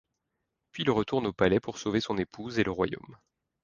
Puis il retourne au palais pour sauver son épouse et le royaume.